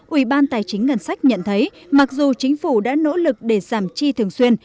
ủy ban tài chính ngân sách nhận thấy mặc dù chính phủ đã nỗ lực để giảm chi thường xuyên